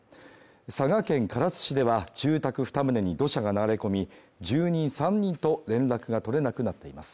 佐賀県唐津市では、住宅２棟に土砂が流れ込み、住人３人と連絡が取れなくなっています。